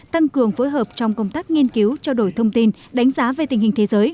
tăng cường phối hợp trong công tác nghiên cứu trao đổi thông tin đánh giá về tình hình thế giới